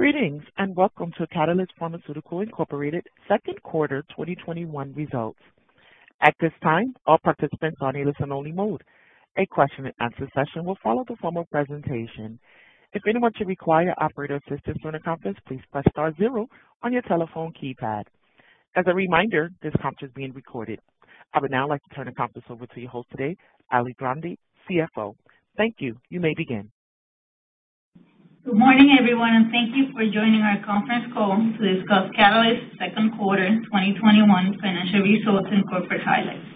Greetings, welcome to Catalyst Pharmaceuticals, Inc. second quarter 2021 results. At this time, all participants are in listen only mode. A question and answer session will follow the formal presentation. If anyone should require operator assistance during the conference, please press star zero on your telephone keypad. As a reminder, this conference is being recorded. I would now like to turn the conference over to your host today, Alicia Grande, CFO. Thank you. You may begin. Good morning, everyone, and thank you for joining our conference call to discuss Catalyst's second quarter 2021 financial results and corporate highlights.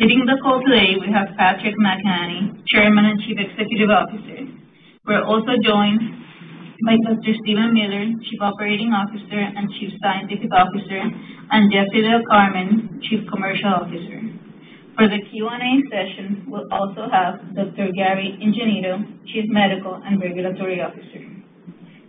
Leading the call today, we have Patrick McEnany, Chairman and Chief Executive Officer. We are also joined by Dr. Steven Miller, Chief Operating Officer and Chief Scientific Officer, and Jeffrey Del Carmen, Chief Commercial Officer. For the Q&A session, we will also have Dr. Gary Ingenito, Chief Medical and Regulatory Officer.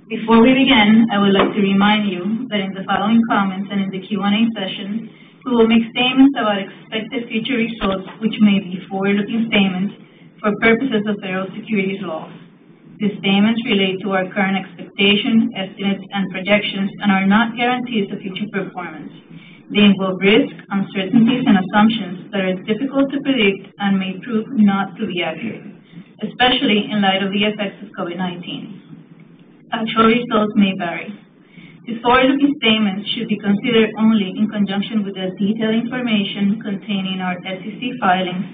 Before we begin, I would like to remind you that in the following comments and in the Q&A session, we will make statements about expected future results, which may be forward-looking statements for purposes of federal securities laws. These statements relate to our current expectation, estimates, and projections and are not guarantees of future performance. They involve risks, uncertainties, and assumptions that are difficult to predict and may prove not to be accurate, especially in light of the effects of COVID-19. Actual results may vary. These forward-looking statements should be considered only in conjunction with the detailed information contained in our SEC filings,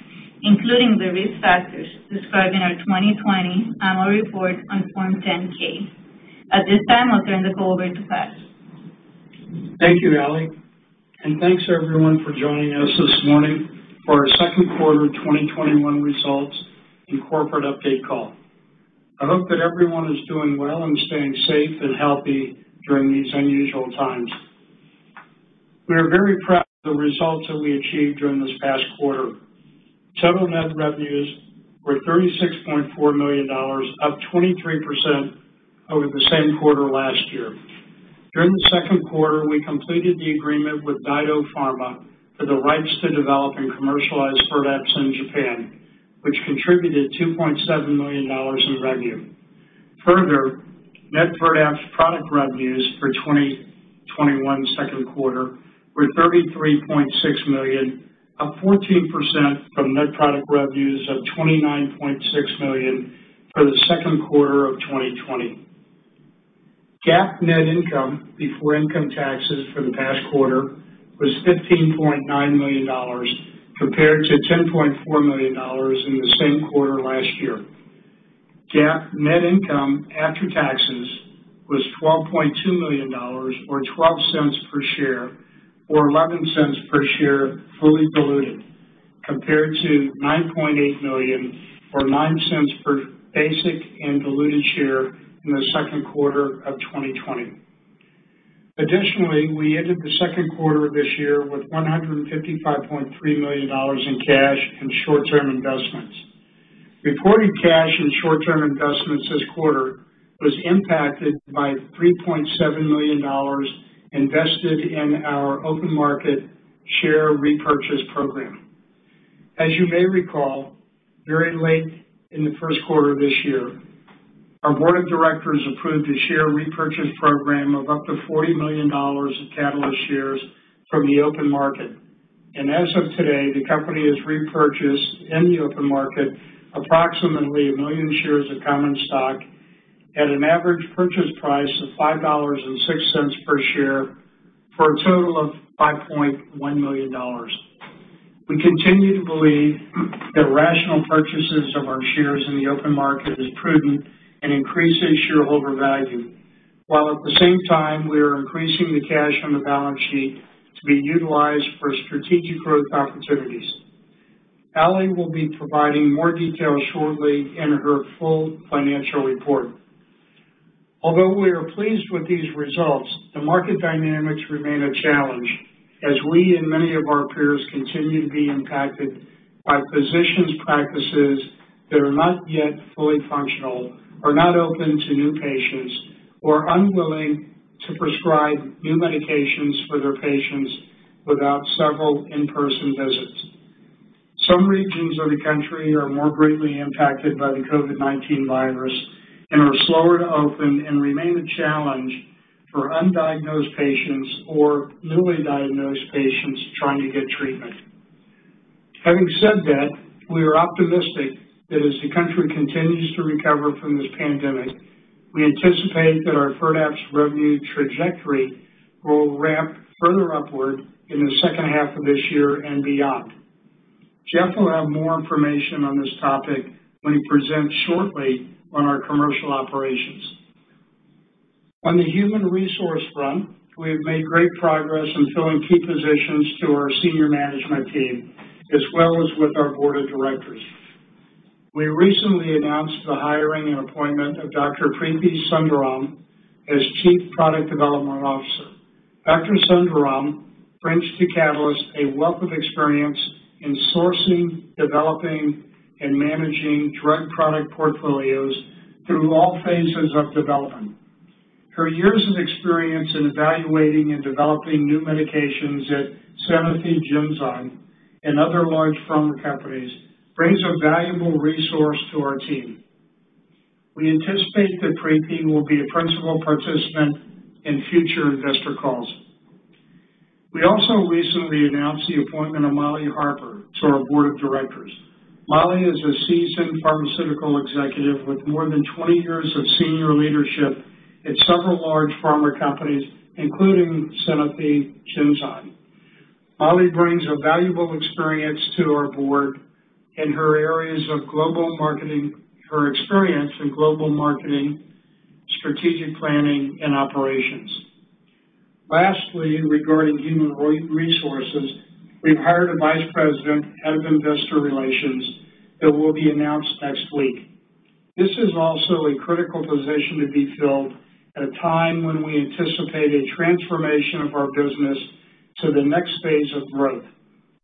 including the risk factors described in our 2020 annual report on Form 10-K. At this time, I'll turn the call over to Pat. Thank you, Ali. Thanks, everyone, for joining us this morning for our second quarter 2021 results and corporate update call. I hope that everyone is doing well and staying safe and healthy during these unusual times. We are very proud of the results that we achieved during this past quarter. Total net revenues were $36.4 million, up 23% over the same quarter last year. During the second quarter, we completed the agreement with DyDo Pharma for the rights to develop and commercialize FIRDAPSE in Japan, which contributed $2.7 million in revenue. Further, net FIRDAPSE product revenues for 2021 second quarter were $33.6 million, up 14% from net product revenues of $29.6 million for the second quarter of 2020. GAAP net income before income taxes for the past quarter was $15.9 million, compared to $10.4 million in the same quarter last year. GAAP net income after taxes was $12.2 million or $0.12 per share or $0.11 per share fully diluted, compared to $9.8 million or $0.09 per basic and diluted share in the second quarter of 2020. Additionally, we ended the second quarter of this year with $155.3 million in cash and short-term investments. Reported cash and short-term investments this quarter was impacted by $3.7 million invested in our open market share repurchase program. As you may recall, very late in the first quarter of this year, our board of directors approved a share repurchase program of up to $40 million of Catalyst shares from the open market. As of today, the company has repurchased in the open market approximately 1 million shares of common stock at an average purchase price of $5.06 per share for a total of $5.1 million. We continue to believe that rational purchases of our shares in the open market is prudent and increases shareholder value. At the same time, we are increasing the cash on the balance sheet to be utilized for strategic growth opportunities. Alicia will be providing more details shortly in her full financial report. We are pleased with these results, the market dynamics remain a challenge as we and many of our peers continue to be impacted by physicians' practices that are not yet fully functional, are not open to new patients, or unwilling to prescribe new medications for their patients without several in-person visits. Some regions of the country are more greatly impacted by the COVID-19 virus and are slower to open and remain a challenge for undiagnosed patients or newly diagnosed patients trying to get treatment. Having said that, we are optimistic that as the country continues to recover from this pandemic, we anticipate that our FIRDAPSE revenue trajectory will ramp further upward in the second half of this year and beyond. Jeff will have more information on this topic when he presents shortly on our commercial operations. On the human resource front, we have made great progress in filling key positions to our senior management team, as well as with our board of directors. We recently announced the hiring and appointment of Dr. Preethi Sundaram as Chief Product Development Officer. Dr. Sundaram brings to Catalyst a wealth of experience in sourcing, developing, and managing drug product portfolios through all phases of development. Her years of experience in evaluating and developing new medications at Sanofi Genzyme and other large pharma companies brings a valuable resource to our team. We anticipate that Preethi will be a principal participant in future investor calls. We also recently announced the appointment of Molly Harper to our Board of Directors. Molly is a seasoned pharmaceutical executive with more than 20 years of senior leadership at several large pharma companies, including Sanofi Genzyme. Molly brings a valuable experience to our Board in her experience in global marketing, strategic planning, and operations. Lastly, regarding human resources, we've hired a Vice President, Head of Investor Relations, that will be announced next week. This is also a critical position to be filled at a time when we anticipate a transformation of our business to the next phase of growth,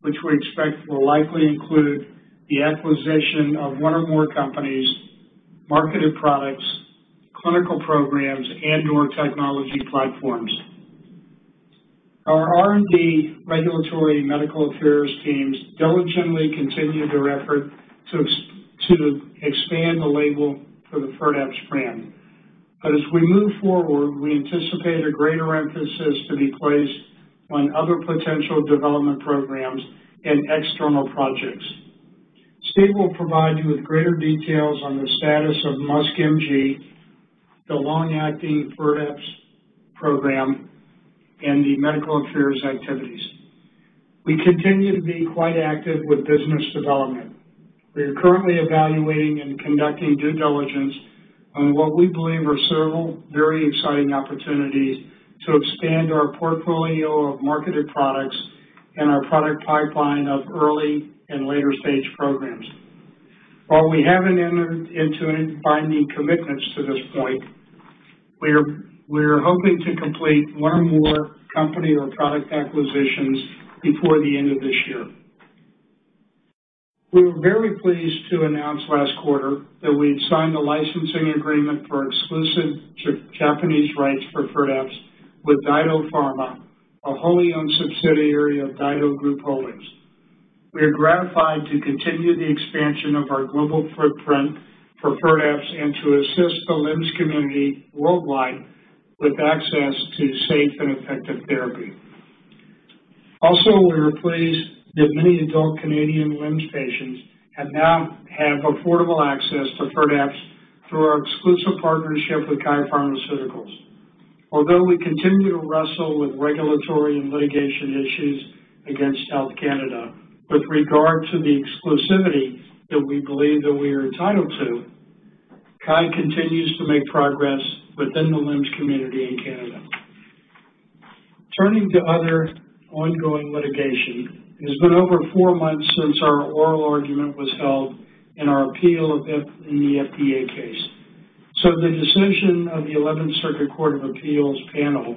which we expect will likely include the acquisition of one or more companies, marketed products, clinical programs, and/or technology platforms. Our R&D regulatory medical affairs teams diligently continue their effort to expand the label for the FIRDAPSE brand. As we move forward, we anticipate a greater emphasis to be placed on other potential development programs and external projects. Steven R. Miller will provide you with greater details on the status of MuSK-MG, the long-acting FIRDAPSE program, and the medical affairs activities. We continue to be quite active with business development. We are currently evaluating and conducting due diligence on what we believe are several very exciting opportunities to expand our portfolio of marketed products and our product pipeline of early and later-stage programs. While we haven't entered into any binding commitments to this point, we're hoping to complete one or more company or product acquisitions before the end of this year. We were very pleased to announce last quarter that we had signed a licensing agreement for exclusive Japanese rights for Firdapse with DyDo Pharma, a wholly owned subsidiary of DyDo Group Holdings. We are gratified to continue the expansion of our global footprint for Firdapse and to assist the LEMS community worldwide with access to safe and effective therapy. Also, we are pleased that many adult Canadian LEMS patients now have affordable access to Firdapse through our exclusive partnership with KYE Pharmaceuticals. Although we continue to wrestle with regulatory and litigation issues against Health Canada, with regard to the exclusivity that we believe that we are entitled to, KYE continues to make progress within the LEMS community in Canada. Turning to other ongoing litigation, it has been over four months since our oral argument was held in our appeal of the FDA case. The decision of the Eleventh Circuit Court of Appeals panel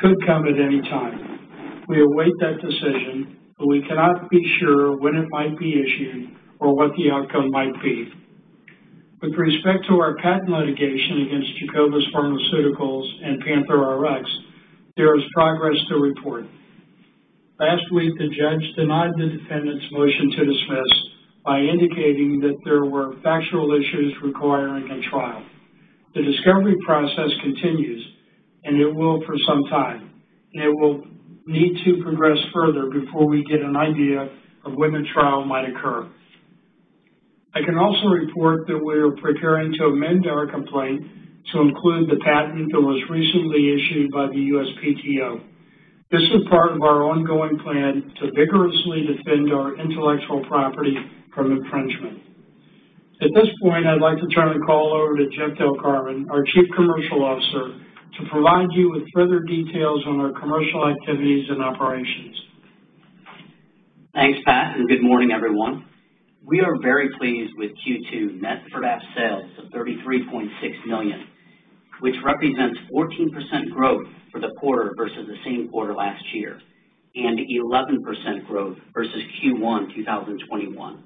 could come at any time. We await that decision, but we cannot be sure when it might be issued or what the outcome might be. With respect to our patent litigation against Jacobus Pharmaceuticals and PANTHERx Rare, there is progress to report. Last week, the judge denied the defendant's motion to dismiss by indicating that there were factual issues requiring a trial. The discovery process continues, and it will for some time, and it will need to progress further before we get an idea of when the trial might occur. I can also report that we are preparing to amend our complaint to include the patent that was recently issued by the USPTO. This is part of our ongoing plan to vigorously defend our intellectual property from infringement. At this point, I'd like to turn the call over to Jeff Del Carmen, our Chief Commercial Officer, to provide you with further details on our commercial activities and operations. Thanks, Pat, and good morning, everyone. We are very pleased with Q2 net FIRDAPSE sales of $33.6 million, which represents 14% growth for the quarter versus the same quarter last year, and 11% growth versus Q1 2021.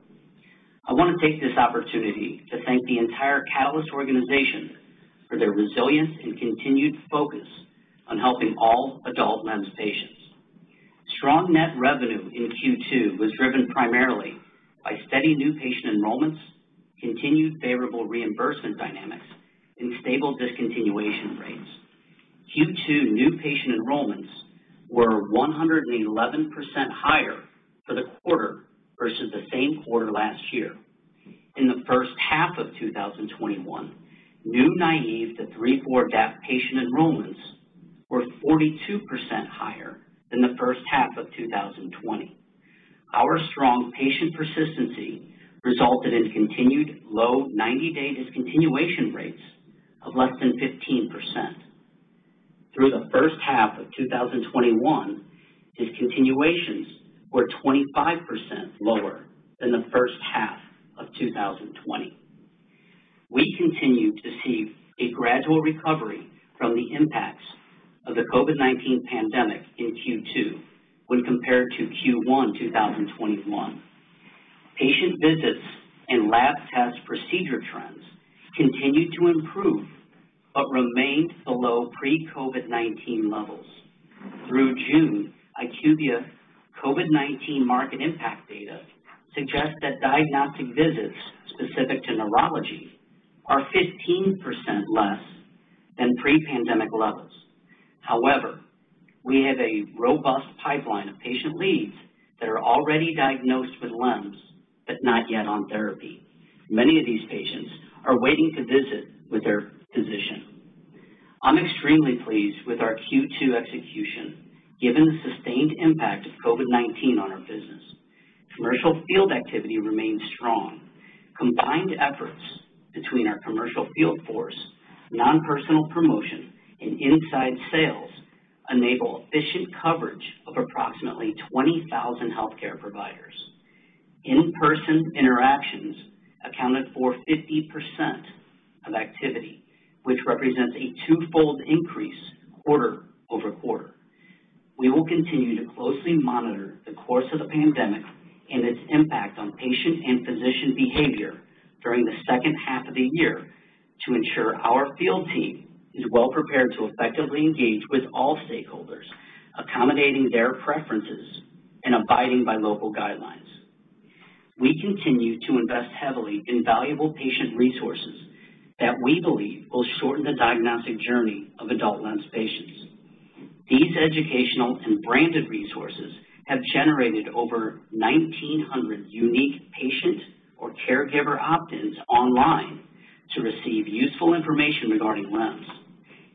I want to take this opportunity to thank the entire Catalyst organization for their resilience and continued focus on helping all adult LEMS patients. Strong net revenue in Q2 was driven primarily by steady new patient enrollments, continued favorable reimbursement dynamics, and stable discontinuation rates. Q2 new patient enrollments were 111% higher for the quarter versus the same quarter last year. In the first half of 2021, new naive to 3,4-DAP patient enrollments were 42% higher than the first half of 2020. Our strong patient persistency resulted in continued low 90-day discontinuation rates of less than 15%. Through the first half of 2021, discontinuations were 25% lower than the first half of 2020. We continue to see a gradual recovery from the impacts of the COVID-19 pandemic in Q2 when compared to Q1 2021. Patient visits and lab test procedure trends continued to improve, but remained below pre-COVID-19 levels. Through June, IQVIA COVID-19 market impact data suggests that diagnostic visits specific to neurology are 15% less than pre-pandemic levels. However, we have a robust pipeline of patient leads that are already diagnosed with LEMS, but not yet on therapy. Many of these patients are waiting to visit with their physician. I'm extremely pleased with our Q2 execution, given the sustained impact of COVID-19 on our business. Commercial field activity remains strong. Combined efforts between our commercial field force, non-personal promotion, and inside sales enable efficient coverage of approximately 20,000 healthcare providers. In-person interactions accounted for 50% of activity, which represents a twofold increase quarter-over-quarter. We will continue to closely monitor the course of the pandemic and its impact on patient and physician behavior during the second half of the year to ensure our field team is well-prepared to effectively engage with all stakeholders, accommodating their preferences and abiding by local guidelines. We continue to invest heavily in valuable patient resources that we believe will shorten the diagnostic journey of adult LEMS patients. These educational and branded resources have generated over 1,900 unique patient or caregiver opt-ins online to receive useful information regarding LEMS.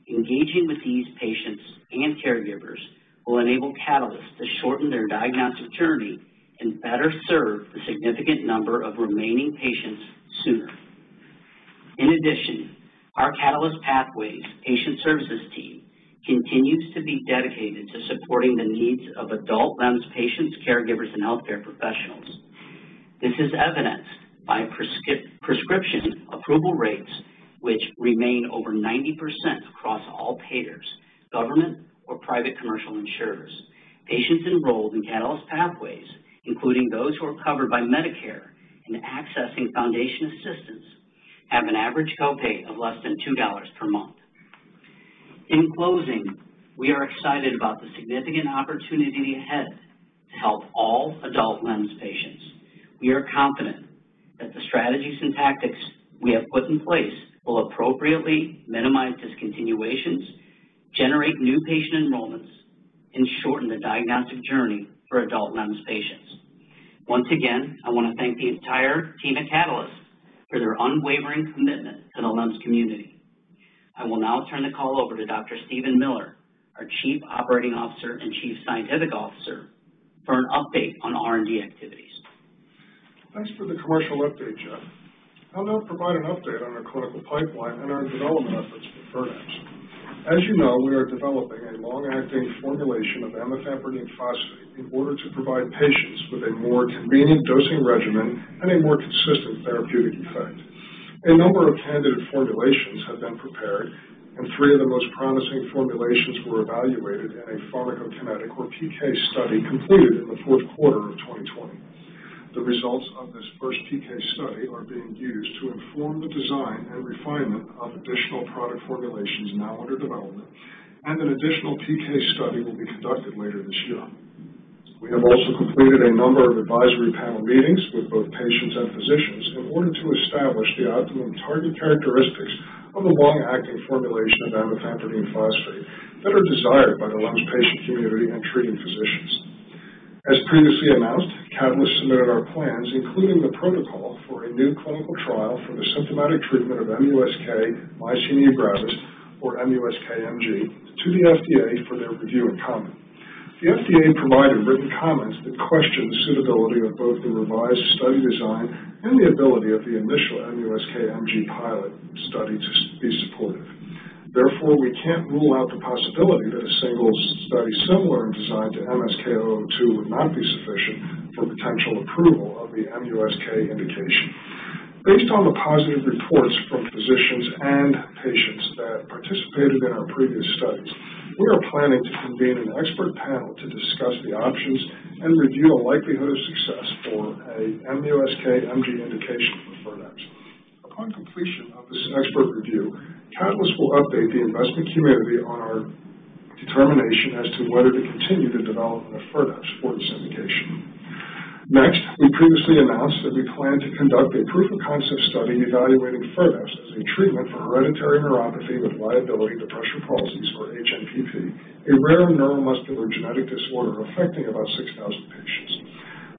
Engaging with these patients and caregivers will enable Catalyst to shorten their diagnostic journey and better serve the significant number of remaining patients sooner. In addition, our Catalyst Pathways Patient Services team continues to be dedicated to supporting the needs of adult LEMS patients, caregivers, and healthcare professionals. This is evidenced by prescription approval rates, which remain over 90% across all payers, government or private commercial insurers. Patients enrolled in Catalyst Pathways, including those who are covered by Medicare and accessing foundation assistance, have an average copay of less than $2 per month. In closing, we are excited about the significant opportunity ahead to help all adult LEMS patients. We are confident that the strategies and tactics we have put in place will appropriately minimize discontinuations, generate new patient enrollments, and shorten the diagnostic journey for adult LEMS patients. Once again, I want to thank the entire team at Catalyst for their unwavering commitment to the LEMS community. I will now turn the call over to Dr. Steven Miller, our Chief Operating Officer and Chief Scientific Officer, for an update on R&D activities. Thanks for the commercial update, Jeff. I'll now provide an update on our clinical pipeline and our development efforts for FIRDAPSE. As you know, we are developing a long-acting formulation of amifampridine phosphate in order to provide patients with a more convenient dosing regimen and a more consistent therapeutic effect. A number of candidate formulations have been prepared. Three of the most promising formulations were evaluated in a pharmacokinetic, or PK study, completed in the fourth quarter of 2020. The results of this first PK study are being used to inform the design and refinement of additional product formulations now under development. An additional PK study will be conducted later this year. We have also completed a number of advisory panel meetings with both patients and physicians in order to establish the optimum target characteristics of a long-acting formulation of amifampridine phosphate that are desired by the LEMS patient community and treating physicians. As previously announced, Catalyst submitted our plans, including the protocol for a new clinical trial for the symptomatic treatment of MuSK myasthenia gravis, or MuSK-MG, to the FDA for their review and comment. The FDA provided written comments that question the suitability of both the revised study design and the ability of the initial MuSK-MG pilot study to be supportive. We can't rule out the possibility that a single study similar in design to MSK-002 would not be sufficient for potential approval of the MuSK indication. Based on the positive reports from physicians and patients that participated in our previous studies, we are planning to convene an expert panel to discuss the options and review the likelihood of success for a MuSK-MG indication for FIRDAPSE. Upon completion of this expert review, Catalyst will update the investment community on our determination as to whether to continue the development of FIRDAPSE for this indication. We previously announced that we plan to conduct a proof-of-concept study evaluating FIRDAPSE as a treatment for hereditary neuropathy with liability to pressure palsies, or HNPP, a rare neuromuscular genetic disorder affecting about 6,000 patients.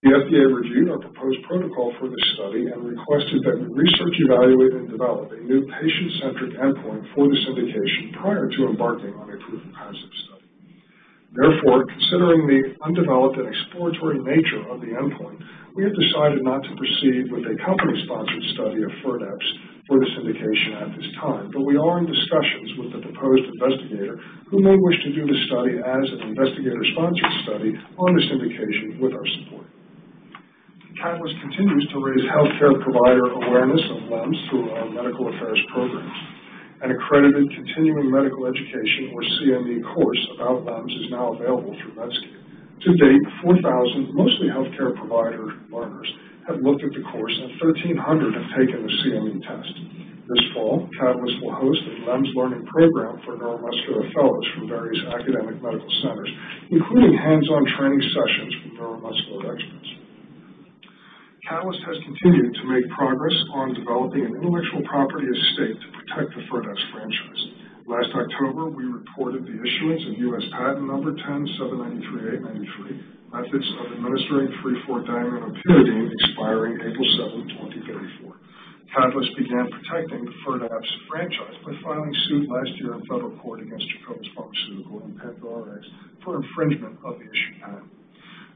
The FDA reviewed our proposed protocol for this study and requested that we research, evaluate, and develop a new patient-centric endpoint for this indication prior to embarking on a proof-of-concept study. Therefore, considering the undeveloped and exploratory nature of the endpoint, we have decided not to proceed with a company-sponsored study of Firdapse for this indication at this time, but we are in discussions with the proposed investigator, who may wish to do the study as an investigator-sponsored study on this indication with our support. Catalyst continues to raise healthcare provider awareness of LEMS through our medical affairs programs. An accredited continuing medical education, or CME course, about LEMS is now available through Medscape. To date, 4,000, mostly healthcare provider learners, have looked at the course and 1,300 have taken the CME test. This fall, Catalyst will host a LEMS learning program for neuromuscular fellows from various academic medical centers, including hands-on training sessions from neuromuscular experts. Catalyst has continued to make progress on developing an intellectual property estate to protect the Firdapse franchise. Last October, we reported the issuance of U.S. Patent number 10793893, methods of administering 3,4-diaminopyridine expiring April 7th, 2034. Catalyst began protecting the FIRDAPSE franchise by filing suit last year in federal court against Jacobus Pharmaceutical and PantherRx Rare for infringement of the issued patent.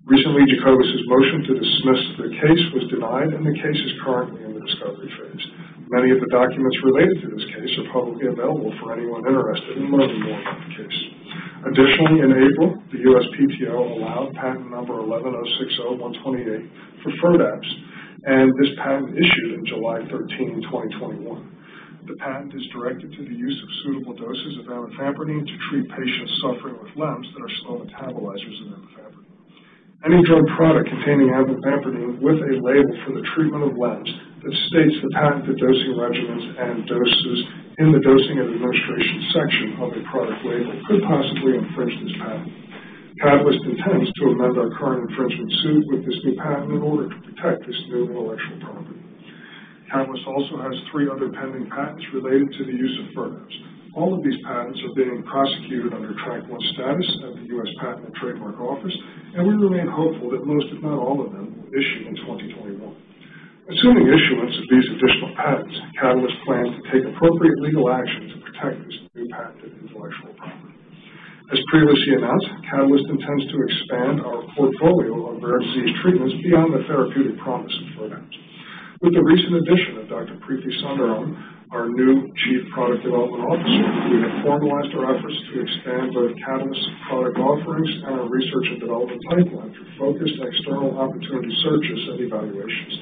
Recently, Jacobus's motion to dismiss the case was denied, and the case is currently in the discovery phase. Many of the documents related to this case are publicly available for anyone interested in learning more about the case. Additionally, in April, the USPTO allowed patent number 11,060,128 for FIRDAPSE, and this patent issued on July 13th, 2021. The patent is directed to the use of suitable doses of amifampridine to treat patients suffering with LEMS that are slow metabolizers of amifampridine. Any drug product containing amifampridine with a label for the treatment of LEMS that states the patented dosing regimens and doses in the dosing and administration section of a product label could possibly infringe this patent. Catalyst intends to amend our current infringement suit with this new patent in order to protect this new intellectual property. Catalyst also has three other pending patents related to the use of FIRDAPSE. All of these patents are being prosecuted under Track One status at the U.S. Patent and Trademark Office, and we remain hopeful that most, if not all of them, will issue in 2021. Assuming issuance of these additional patents, Catalyst plans to take appropriate legal action to protect this new patented intellectual property. As previously announced, Catalyst intends to expand our portfolio of rare disease treatments beyond the therapeutic promise of FIRDAPSE. With the recent addition of Dr. Preethi Sundaram, our new Chief Product Development Officer, we have formalized our efforts to expand both Catalyst's product offerings and our research and development pipeline through focused external opportunity searches and evaluations.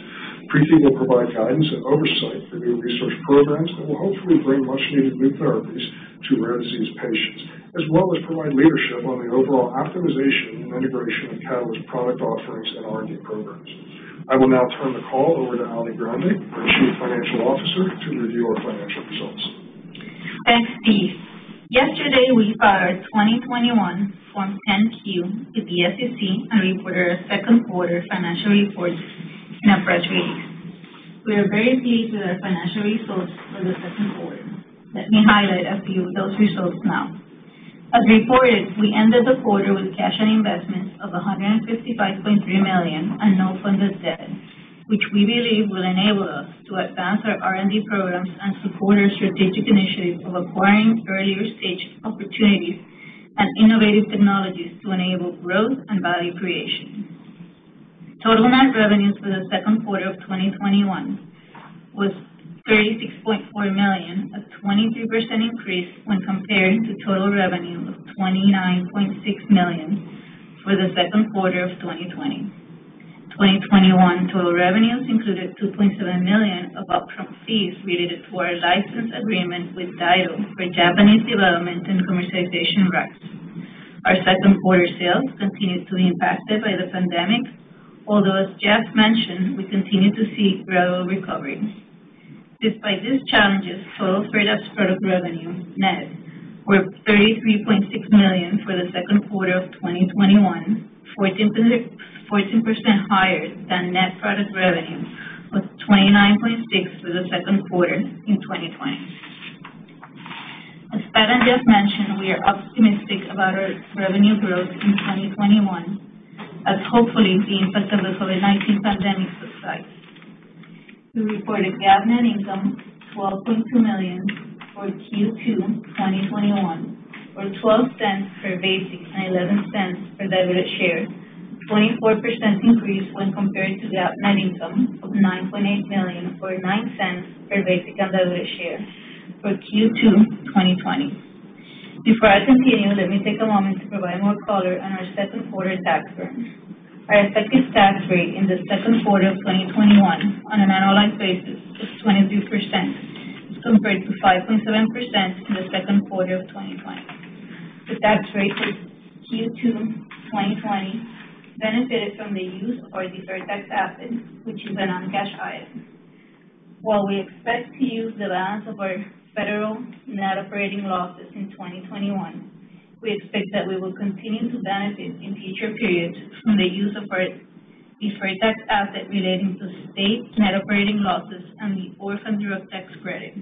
Preethi will provide guidance and oversight for new research programs that will hopefully bring much needed new therapies to rare disease patients, as well as provide leadership on the overall optimization and integration of Catalyst's product offerings and R&D programs. I will now turn the call over to Alicia Grande, our Chief Financial Officer, to review our financial results. Thanks, Steve. Yesterday, we filed our 2021 Form 10-Q to the SEC and reported our second quarter financial reports in a press release. We are very pleased with our financial results for the second quarter. Let me highlight a few of those results now. As reported, we ended the quarter with cash and investments of $155.3 million and no funded debt, which we believe will enable us to advance our R&D programs and support our strategic initiative of acquiring earlier stage opportunities and innovative technologies to enable growth and value creation. Total net revenues for the second quarter of 2021 was $36.4 million, a 23% increase when compared to total revenue of $29.6 million for the second quarter of 2020. 2021 total revenues included $2.7 million of upfront fees related to our license agreement with DyDo for Japanese development and commercialization rights. Our second quarter sales continued to be impacted by the pandemic, although, as Jeff mentioned, we continue to see gradual recovery. Despite these challenges, total FIRDAPSE product revenue net were $33.6 million for the second quarter of 2021, 14% higher than net product revenue of $29.6 for the second quarter in 2020. As Pat and Jeff mentioned, we are optimistic about our revenue growth in 2021 as hopefully the impact of the COVID-19 pandemic subsides. We reported GAAP net income $12.2 million for Q2 2021, or $0.12 per basic and $0.11 per diluted share, a 24% increase when compared to the GAAP net income of $9.8 million or $0.09 per basic and diluted share for Q2 2020. Before I continue, let me take a moment to provide more color on our second quarter tax burden. Our effective tax rate in the second quarter of 2021 on an annualized basis was 22%, compared to 5.7% in the second quarter of 2020. The tax rate for Q2 2020 benefited from the use of our deferred tax assets, which is a non-cash item. While we expect to use the balance of our federal net operating losses in 2021, we expect that we will continue to benefit in future periods from the use of our deferred tax asset relating to state net operating losses and the orphan drug tax credit.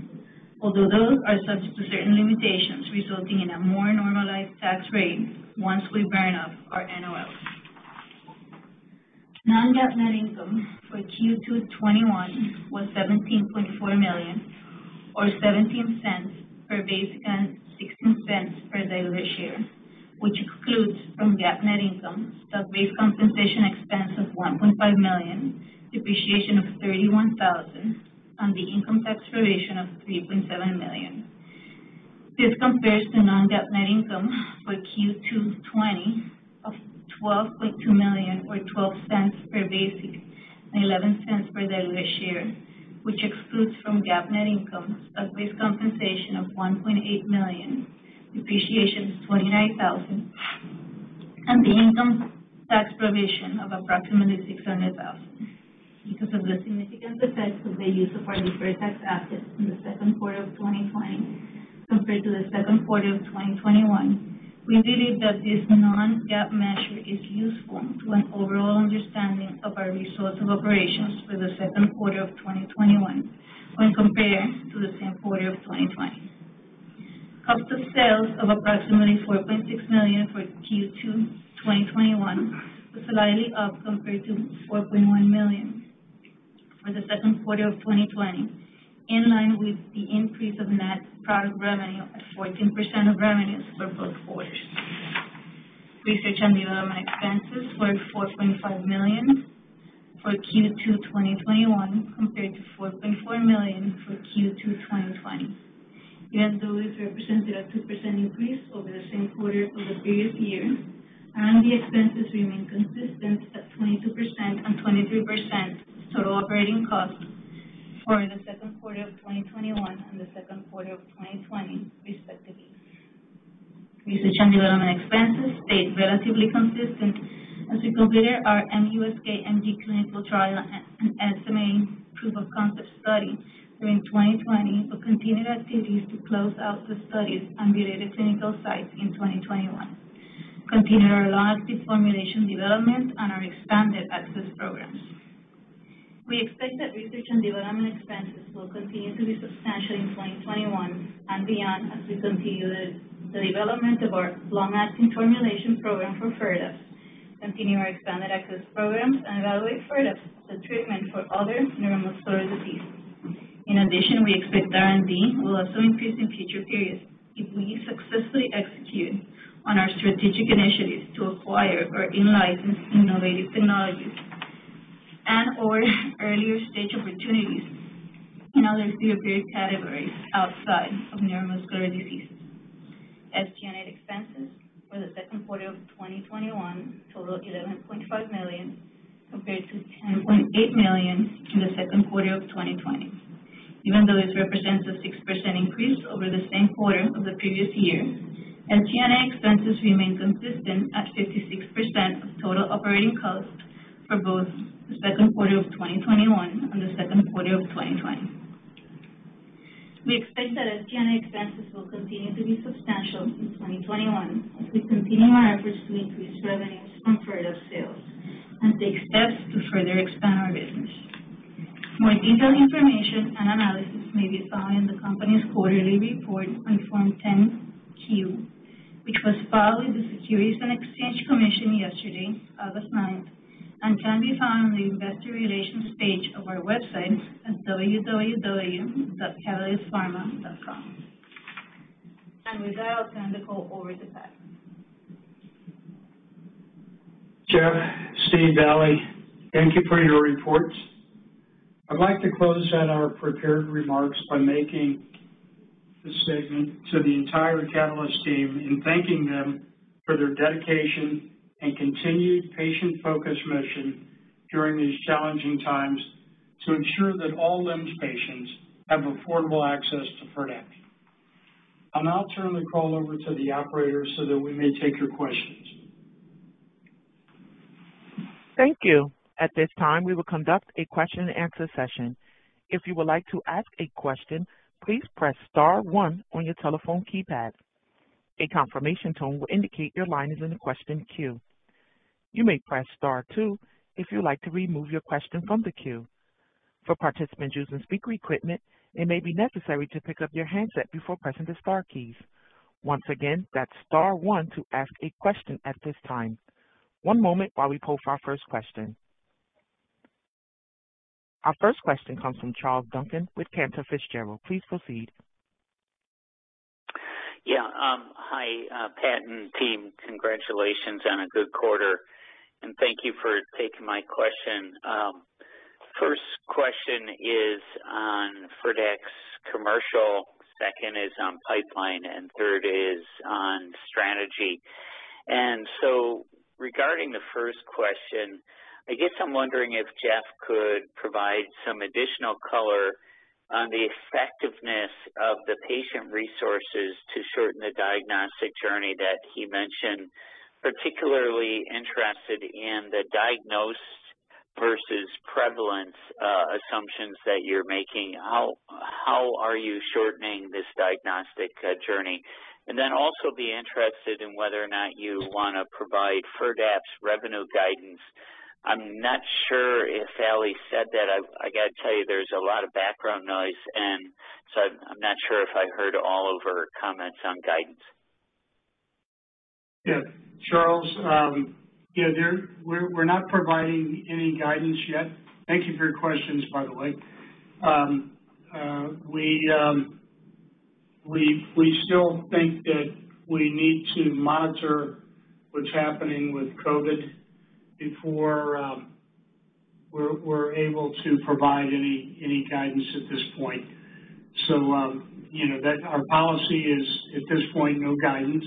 Although those are subject to certain limitations, resulting in a more normalized tax rate once we burn up our NOLs. Non-GAAP net income for Q2 2021 was $17.4 million or $0.17 per basic and $0.16 per diluted share, which excludes from GAAP net income stock-based compensation expense of $1.5 million, depreciation of $31,000, and the income tax provision of $3.7 million. This compares to non-GAAP net income for Q2 2020 of $12.2 million, or $0.12 per basic and $0.11 per diluted share, which excludes from GAAP net income a base compensation of $1.8 million, depreciation of $29,000, and the income tax provision of approximately $600,000. Because of the significant effects of the use of our deferred tax assets in the second quarter of 2020 compared to the second quarter of 2021, we believe that this non-GAAP measure is useful to an overall understanding of our resource of operations for the second quarter of 2021 when compared to the same quarter of 2020. Cost of sales of approximately $4.6 million for Q2 2021 was slightly up compared to $4.1 million for the second quarter of 2020, in line with the increase of net product revenue of 14% of revenues for both quarters. Research and development expenses were $4.5 million for Q2 2021, compared to $4.4 million for Q2 2020. Yet those represented a 2% increase over the same quarter of the previous year, R&D expenses remain consistent at 22% and 23% total operating costs for the second quarter of 2021 and the second quarter of 2020, respectively. Research and development expenses stayed relatively consistent as we completed our MuSK-MG clinical trial and SMA proof-of-concept study during 2020. We continued activities to close out the studies on related clinical sites in 2021, continued our long-acting formulation development and our expanded access programs. We expect that research and development expenses will continue to be substantial in 2021 and beyond as we continue the development of our long-acting formulation program for FIRDAPSE, continue our expanded access programs, and evaluate FIRDAPSE as a treatment for other neuromuscular disease. In addition, we expect R&D will also increase in future periods if we successfully execute on our strategic initiatives to acquire or in-license innovative technologies and/or earlier-stage opportunities in other therapeutic categories outside of neuromuscular diseases. SG&A expenses for the second quarter of 2021 total $11.5 million, compared to $10.8 million in the second quarter of 2020. Even though this represents a 6% increase over the same quarter of the previous year, SG&A expenses remain consistent at 56% of total operating costs for both the second quarter of 2021 and the second quarter of 2020. We expect that SG&A expenses will continue to be substantial in 2021 as we continue our efforts to increase revenues from FIRDAPSE sales and take steps to further expand our business. More detailed information and analysis may be found in the company's quarterly report on Form 10-Q, which was filed with the Securities and Exchange Commission yesterday, August 9th, and can be found on the Investor Relations page of our website at www.catalystpharma.com. With that, I'll turn the call over to Pat. Jeff, Steve, Ali, thank you for your reports. I'd like to close out our prepared remarks by making the statement to the entire Catalyst team in thanking them for their dedication and continued patient-focused mission during these challenging times to ensure that all LEMS patients have affordable access to FIRDAPSE. I'll now turn the call over to the operator so that we may take your questions. Thank you. At this time, we will conduct a question and answer session. If you would like to ask a question, please press star one on your telephone keypad. A confirmation tone will indicate your line is in the question queue. You may press star two if you'd like to remove your question from the queue. For participants using speaker equipment, it may be necessary to pick up your handset before pressing the star keys. Once again, that's star one to ask a question at this time. One moment while we poll for our first question. Our first question comes from Charles Duncan with Cantor Fitzgerald. Please proceed. Yeah. Hi, Pat and team. Congratulations on a good quarter. Thank you for taking my question. First question is on FIRDAPSE commercial, second is on pipeline. Third is on strategy. Regarding the first question, I guess I'm wondering if Jeff could provide some additional color on the effectiveness of the patient resources to shorten the diagnostic journey that he mentioned. Particularly interested in the diagnosed versus prevalent assumptions that you're making. How are you shortening this diagnostic journey? Also be interested in whether or not you want to provide FIRDAPSE revenue guidance. I'm not sure if Ali said that. I got to tell you, there's a lot of background noise. I'm not sure if I heard all of her comments on guidance. Yeah. Charles, we're not providing any guidance yet. Thank you for your questions, by the way. We still think that we need to monitor what's happening with COVID before we're able to provide any guidance at this point. Our policy is, at this point, no guidance.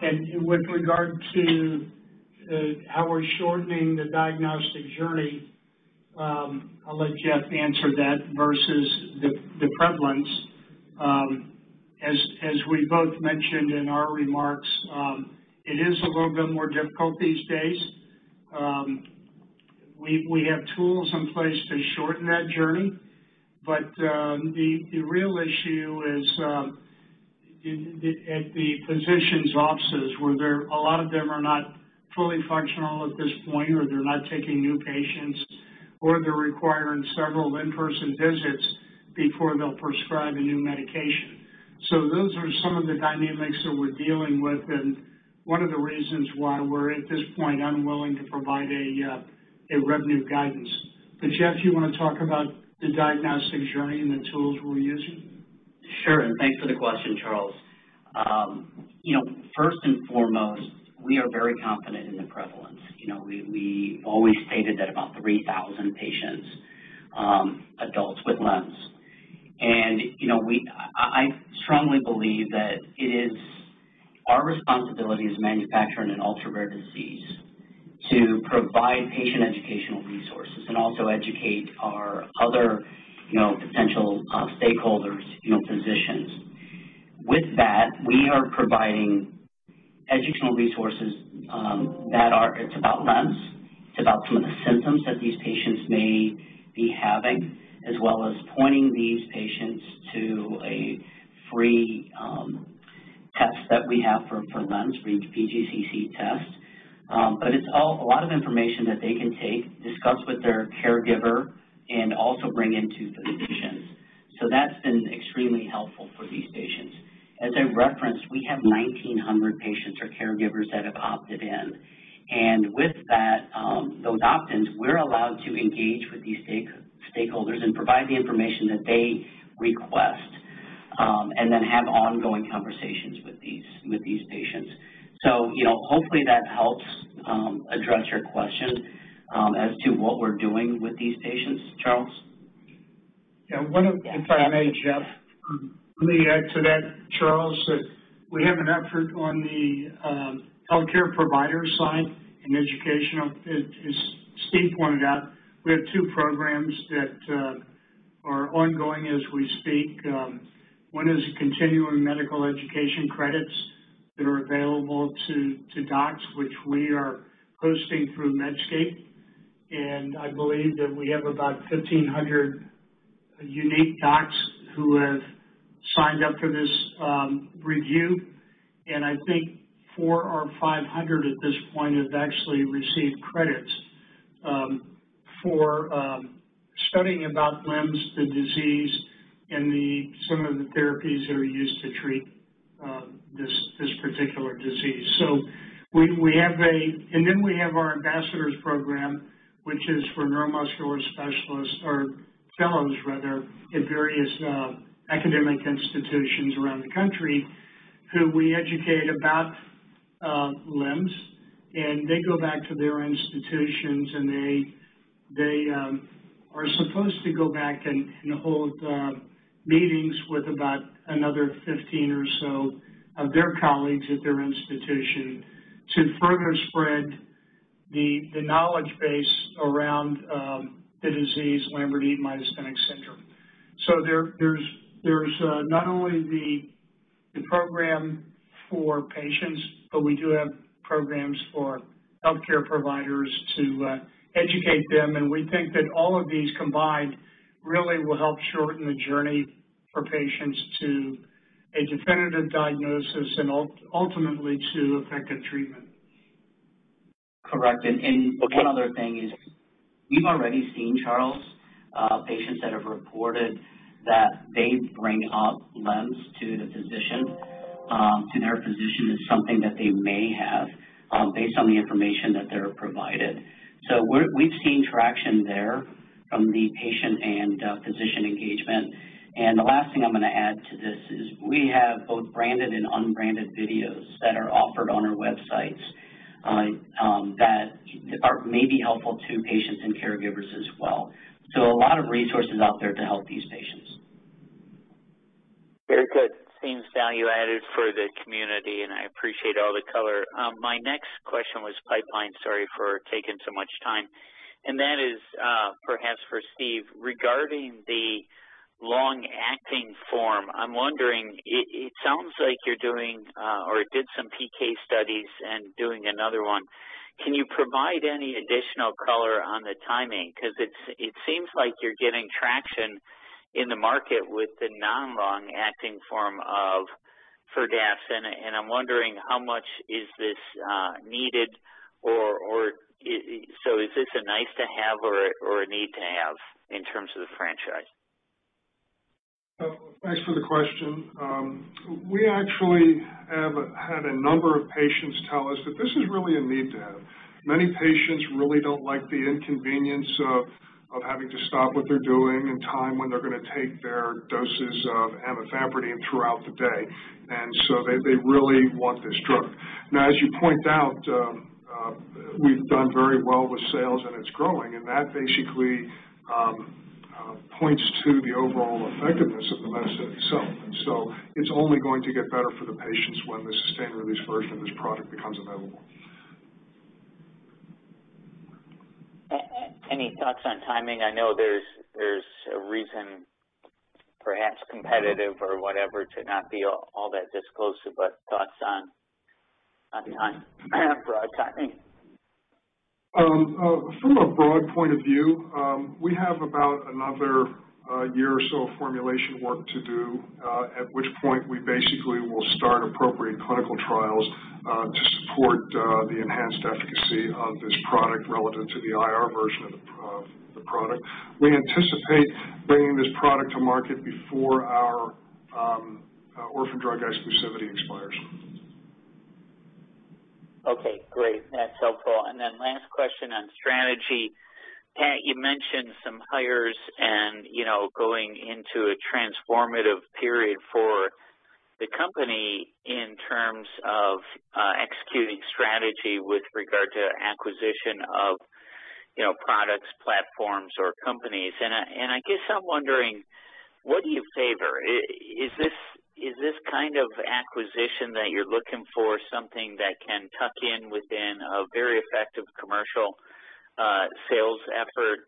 With regard to how we're shortening the diagnostic journey, I'll let Jeff answer that versus the prevalence. As we both mentioned in our remarks, it is a little bit more difficult these days. We have tools in place to shorten that journey. The real issue is at the physicians' offices where a lot of them are not fully functional at this point, or they're not taking new patients, or they're requiring several in-person visits before they'll prescribe a new medication. Those are some of the dynamics that we're dealing with and one of the reasons why we're, at this point, unwilling to provide a revenue guidance. Jeff, you want to talk about the diagnostic journey and the tools we're using? Sure, and thanks for the question, Charles. First and foremost, we are very confident in the prevalence. We always stated that about 3,000 patients, adults with LEMS. I strongly believe that it is our responsibility as a manufacturer in an ultra-rare disease to provide patient educational resources and also educate our other potential stakeholders, physicians. With that, we are providing educational resources that are about LEMS. It's about some of the symptoms that these patients may be having, as well as pointing these patients to a free test that we have for LEMS, for each VGCC test. It's a lot of information that they can take, discuss with their caregiver, and also bring in to physicians. That's been extremely helpful for these patients. As I referenced, we have 1,900 patients or caregivers that have opted in. With that, those opt-ins, we're allowed to engage with these stakeholders and provide the information that they request, and then have ongoing conversations with these patients. Hopefully that helps address your question as to what we're doing with these patients, Charles. Yeah. If I may, Jeff, let me add to that, Charles, that we have an effort on the healthcare provider side in educational. As Steve pointed out, we have two programs that are ongoing as we speak. One is continuing medical education credits that are available to docs, which we are hosting through Medscape. I believe that we have about 1,500 unique docs who have signed up for this review. I think 400 or 500 at this point have actually received credits for studying about LEMS, the disease, and some of the therapies that are used to treat this particular disease. We have our ambassadors program, which is for neuromuscular specialists, or fellows rather, at various academic institutions around the country who we educate about LEMS, and they go back to their institutions, and they are supposed to go back and hold meetings with about another 15 or so of their colleagues at their institution to further spread the knowledge base around the disease, Lambert-Eaton myasthenic syndrome. There's not only the program for patients, but we do have programs for healthcare providers to educate them. We think that all of these combined really will help shorten the journey for patients to a definitive diagnosis and ultimately to effective treatment. Correct. One other thing is we've already seen, Charles, patients that have reported that they bring up LEMS to their physician as something that they may have based on the information that they're provided. We've seen traction there from the patient and physician engagement. The last thing I'm going to add to this is we have both branded and unbranded videos that are offered on our websites that may be helpful to patients and caregivers as well. A lot of resources out there to help these patients. Very good. Seems value-added for the community, and I appreciate all the color. My next question was pipeline. Sorry for taking so much time. That is perhaps for Steve. Regarding the long-acting form, I'm wondering, it sounds like you're doing or did some PK studies and doing another one. Can you provide any additional color on the timing? Because it seems like you're getting traction in the market with the non-long-acting form of FIRDAPSE, and I'm wondering how much is this needed. Is this a nice to have or a need to have in terms of the franchise? Thanks for the question. We actually have had a number of patients tell us that this is really a need to have. Many patients really don't like the inconvenience of having to stop what they're doing and time when they're going to take their doses of amifampridine throughout the day. They really want this drug. Now, as you point out, we've done very well with sales, and it's growing, and that basically points to the overall effectiveness of the medicine itself. It's only going to get better for the patients when the sustained-release version of this product becomes available. Any thoughts on timing? I know there's a reason, perhaps competitive or whatever, to not be all that disclosed, but thoughts on time, broad timing. From a broad point of view, we have about another year or so of formulation work to do, at which point we basically will start appropriate clinical trials to support the enhanced efficacy of this product relative to the IR version of the product. We anticipate bringing this product to market before our orphan drug exclusivity expires. Okay, great. That's helpful. Last question on strategy. Pat, you mentioned some hires and going into a transformative period for the company in terms of executing strategy with regard to acquisition of products, platforms, or companies. I guess I'm wondering, what do you favor? Is this kind of acquisition that you're looking for something that can tuck in within a very effective commercial sales effort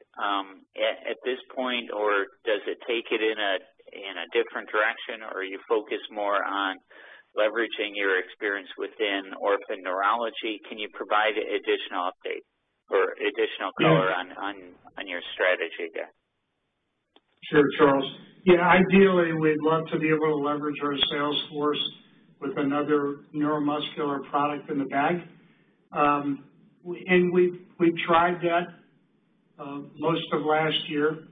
at this point, or does it take it in a different direction? You focus more on leveraging your experience within orphan neurology? Can you provide additional update or additional color on your strategy there? Sure, Charles. Ideally, we'd love to be able to leverage our sales force with another neuromuscular product in the bag. We've tried that most of last year.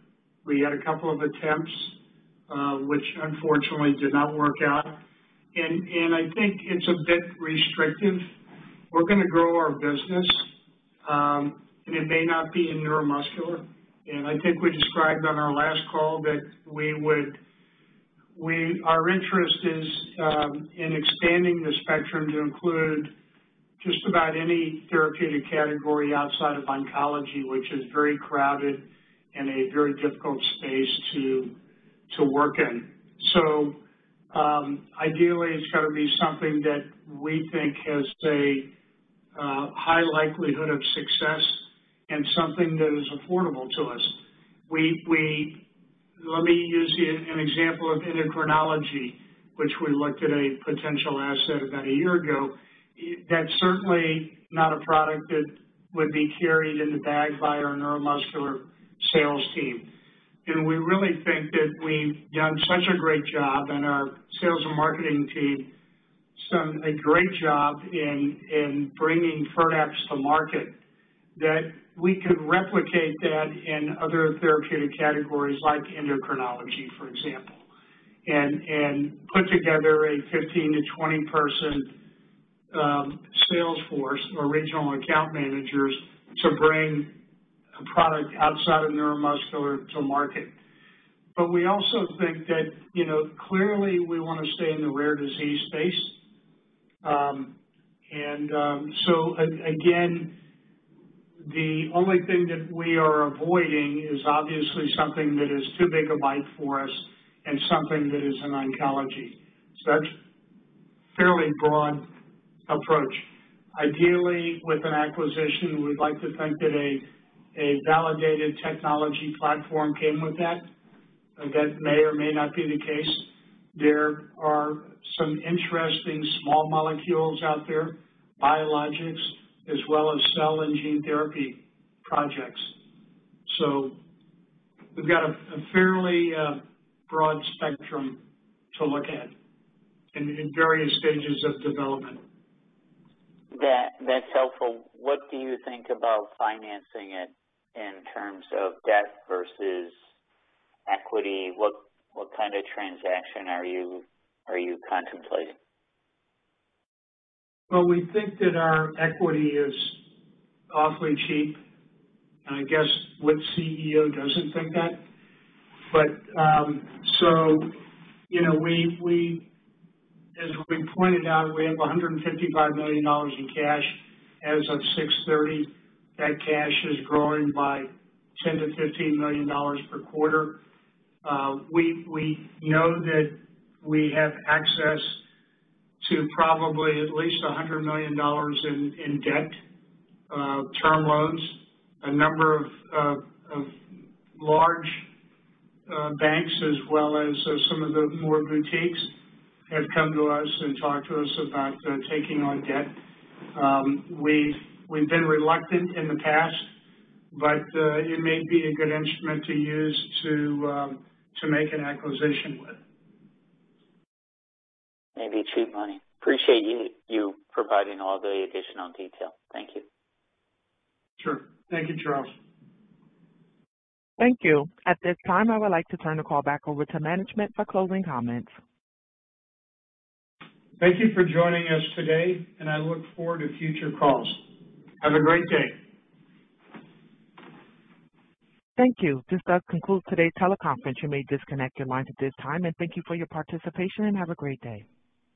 We had a couple of attempts, which unfortunately did not work out, and I think it's a bit restrictive. We're going to grow our business, and it may not be in neuromuscular, and I think we described on our last call that our interest is in expanding the spectrum to include just about any therapeutic category outside of oncology, which is very crowded and a very difficult space to work in. Ideally, it's got to be something that we think has a high likelihood of success and something that is affordable to us. Let me use an example of endocrinology, which we looked at a potential asset about a year ago. That's certainly not a product that would be carried in the bag by our neuromuscular sales team. We really think that we've done such a great job and our sales and marketing team's done a great job in bringing FIRDAPSE to market, that we could replicate that in other therapeutic categories like endocrinology, for example. Put together a 15-20-person sales force or regional account managers to bring a product outside of neuromuscular to market. We also think that clearly we want to stay in the rare disease space. Again, the only thing that we are avoiding is obviously something that is too big a bite for us and something that is in oncology. That's fairly broad approach. Ideally, with an acquisition, we'd like to think that a validated technology platform came with that. That may or may not be the case. There are some interesting small molecules out there, biologics as well as cell and gene therapy projects. We've got a fairly broad spectrum to look at in various stages of development. That's helpful. What do you think about financing it in terms of debt versus equity? What kind of transaction are you contemplating? Well, we think that our equity is awfully cheap, and I guess which CEO doesn't think that? As we pointed out, we have $155 million in cash as of 6:30 A.M. That cash is growing by $10 million-$15 million per quarter. We know that we have access to probably at least $100 million in debt, term loans. A number of large banks as well as some of the more boutiques have come to us and talked to us about taking on debt. We've been reluctant in the past, it may be a good instrument to use to make an acquisition with. Maybe cheap money. Appreciate you providing all the additional detail. Thank you. Sure. Thank you, Charles. Thank you. At this time, I would like to turn the call back over to management for closing comments. Thank you for joining us today, and I look forward to future calls. Have a great day. Thank you. This does conclude today's teleconference. You may disconnect your lines at this time. Thank you for your participation and have a great day.